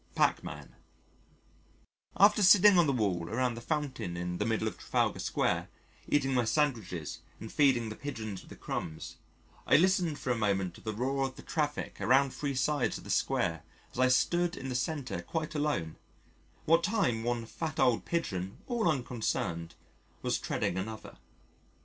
Pachmann After sitting on the wall around the fountain in the middle of Trafalgar Square, eating my sandwiches and feeding the Pigeons with the crumbs, I listened for a moment to the roar of the traffic around three sides of the Square as I stood in the centre quite alone, what time one fat old pigeon, all unconcerned, was treading another.